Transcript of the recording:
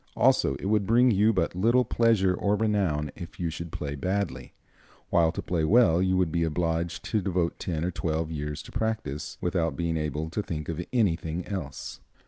Also, it would bring you but little pleasure or renown if you should play badly; while to play well you would be obliged to devote ten or twelve years to practice, without being able to think of anything else.